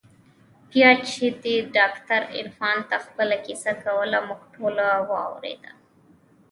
بيا چې دې ډاکتر عرفان ته خپله کيسه کوله موږ ټوله واورېده.